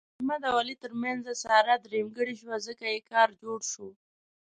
د احمد او علي ترمنځ ساره درېیمګړې شوه، ځکه یې کار جوړ شو.